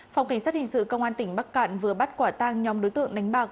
phòng cảnh sát hình sự công an tỉnh bắc cạn vừa bắt quả tang nhóm đối tượng đánh bạc